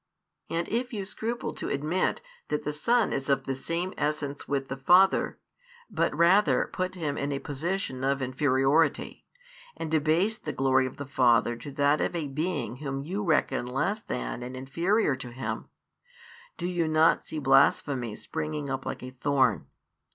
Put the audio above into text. And if you scruple to admit that the Son is of the same Essence with the Father, but rather put Him in a position of inferiority, and debase the glory of the Father to that of a being whom you reckon less than and inferior to Him, do you not see blasphemy springing up like a thorn?